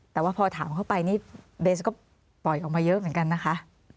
แต่ว่าพอถามเข้าไปนี่เบสก็ปล่อยออกมาเยอะเหมือนกันนะคะ